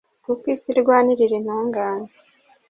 kuko isi irwanirira intungane.